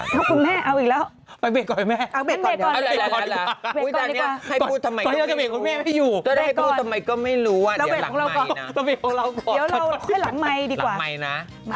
เดี๋ยวลงให้หลักไหม้ดีกว่า